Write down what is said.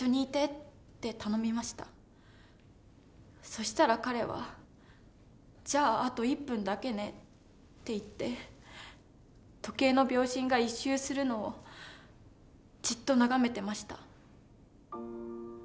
そしたら彼は「じゃああと１分だけね」って言って時計の秒針が１周するのをじっと眺めてました。